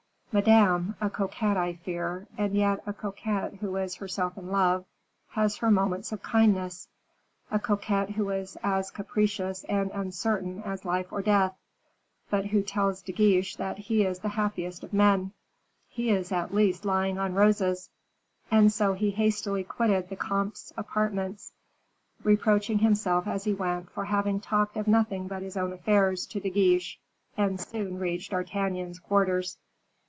Madame, a coquette I fear, and yet a coquette who is herself in love, has her moments of kindness; a coquette who is as capricious and uncertain as life or death, but who tells De Guiche that he is the happiest of men. He at least is lying on roses." And so he hastily quitted the comte's apartments, reproaching himself as he went for having talked of nothing but his own affairs to De Guiche, and soon reached D'Artagnan's quarters.